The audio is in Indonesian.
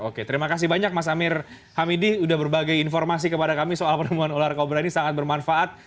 oke terima kasih banyak mas amir hamidi sudah berbagi informasi kepada kami soal penemuan ular kobra ini sangat bermanfaat